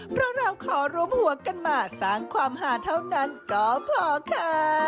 เพราะเราขอรวมหัวกันมาสร้างความหาเท่านั้นก็พอค่ะ